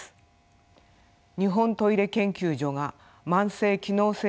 日本トイレ研究所が慢性機能性